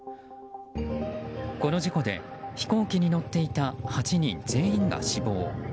この事故で、飛行機に乗っていた８人全員が死亡。